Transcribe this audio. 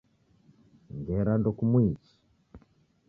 Ngera ndokumuichi